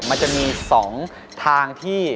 มันจะมี๒ทางที่